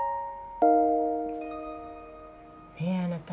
ねえあなた。